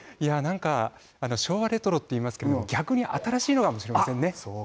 昭和レトロと言いますけれども逆に新しいのかもしれませんね。